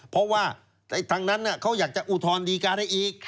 เพราะว่าทางนั้นเขาอยากจะอุทธรณดีการให้อีก